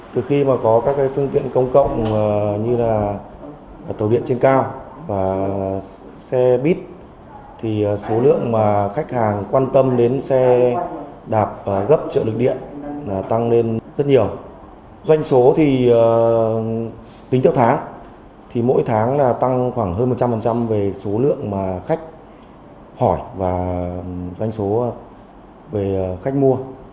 tính theo tháng thì mỗi tháng tăng khoảng hơn một trăm linh về số lượng mà khách hỏi và doanh số về khách mua